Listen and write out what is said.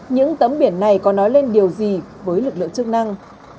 những tấm biển này có nói lên điều gì với lực lượng chức năng